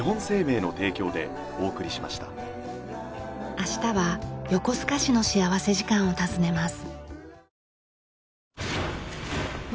明日は横須賀市の幸福時間を訪ねます。